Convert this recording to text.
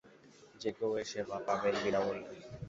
যেকেউ এ সেবা পাবেন বিনা মূল্যে।